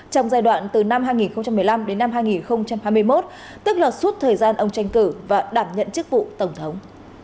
trong giai đoạn từ năm hai nghìn một mươi năm đến năm hai nghìn hai mươi một tức là suốt thời gian ông tranh cử và đảm nhận chức vụ tổng thống